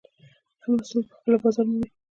ښه محصول پخپله بازار مومي.